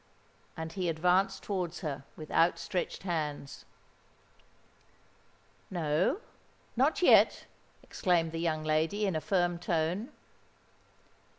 And he advanced towards her, with out stretched hands. "No—not yet," exclaimed the young lady, in a firm tone.